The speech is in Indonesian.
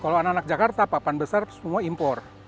kalau anak anak jakarta papan besar semua impor